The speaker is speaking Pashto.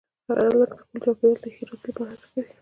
هلک د خپل چاپېریال د ښېرازۍ لپاره هڅه کوي.